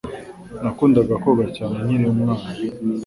Nakundaga koga cyane nkiri umwana.